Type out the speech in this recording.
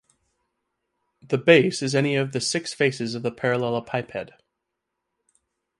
The base is any of the six faces of the parallelepiped.